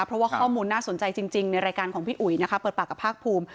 เพราะว่าข้อมูลน่าสนใจจริงในรายการของพี่อุ๋ยนะคะเปิดปากกับภาคภูมิ